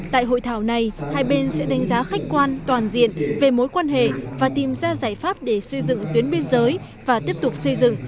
tại hội thảo này hai bên sẽ đánh giá khách quan toàn diện về mối quan hệ và tìm ra giải pháp để xây dựng tuyến biên giới và tiếp tục xây dựng